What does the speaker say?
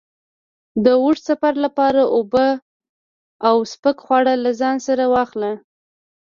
د اوږد سفر لپاره اوبه او سپک خوراک له ځان سره واخله.